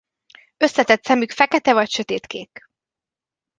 Összetett szemük fekete vagy sötétkék.